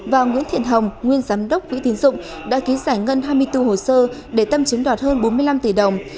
và nguyễn thiện hồng nguyên giám đốc quỹ tín dụng đã ký giải ngân hai mươi bốn hồ sơ để tâm chiếm đoạt hơn bốn mươi năm tỷ đồng